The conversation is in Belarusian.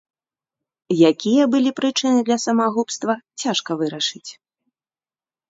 Якія былі прычыны для самагубства, цяжка вырашыць.